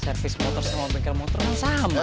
servis motor sama bengkel motor sama